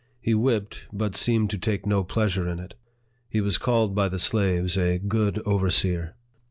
He whipped, but seemed to take no pleasure in it. He was called by the slaves a good overseer.